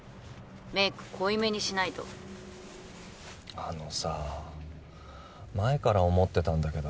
メイク濃い目にしないとあのさ前から思ってたんだけど